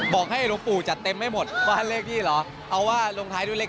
บอกให้หลวงปู่จัดเต็มไม่หมดบ้านเลขที่เหรอเอาว่าลงท้ายด้วยเลข